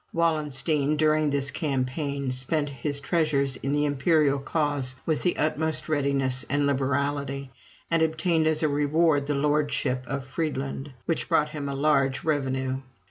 Wallenstein, during this campaign, spent his treasures in the imperial cause with the utmost readiness and liberality, and obtained as a reward the lordship of Friedland, which brought him a large revenue.